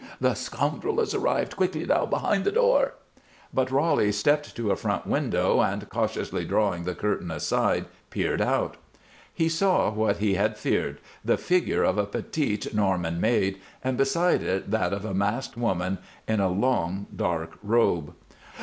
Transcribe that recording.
The scoundrel has arrived! Quickly now behind the door!" But Roly stepped to a front window and, cautiously drawing the curtain aside, peered out. He saw what he had feared the figure of a petite Norman maid, and beside it that of a masked woman in a long, dark robe.